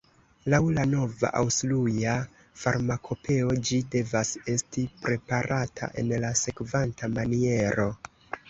Laŭ la nova Aŭstruja farmakopeo ĝi devas esti preparata en la sekvanta maniero